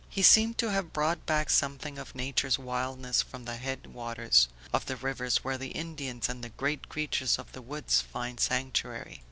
He seemed to have brought back something of natures wildness from the head waters Of the rivers where the Indians and the great creatures of the woods find sanctuary.